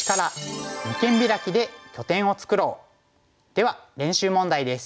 では練習問題です。